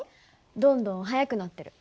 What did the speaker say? どんどん速くなってる。